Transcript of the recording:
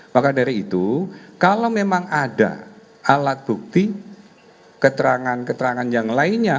maka dari itu kalau memang ada alat bukti keterangan keterangan yang lainnya